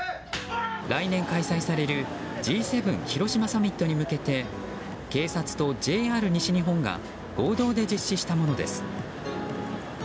来年開催されるＧ７広島サミットに向けて警察とＪＲ西日本が合同で実施したものです。